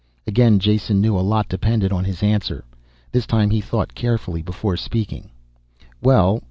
Again Jason knew a lot depended on his answer. This time he thought carefully before speaking. "Well